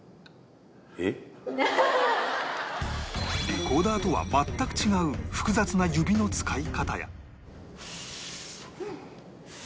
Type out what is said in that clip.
リコーダーとは全く違う複雑な指の使い方や